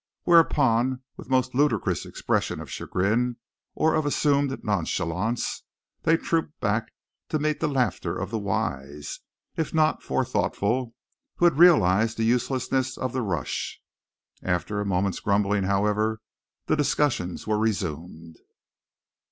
Whereupon, with most ludicrous expressions of chagrin or of assumed nonchalance, they trooped back to meet the laughter of the wise, if not forethoughtful, who had realized the uselessness of the rush. After a moment's grumbling, however, the discussions were resumed.